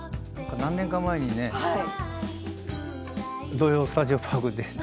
何年か前にね「土曜スタジオパーク」で。